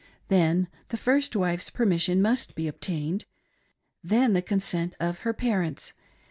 Then the first wife's permission must be obtained. Then the consent of her parents.